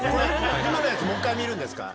今のやつもう１回見るんですか？